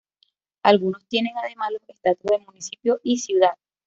Algunos tienen, además, los estatus de municipio y ciudad.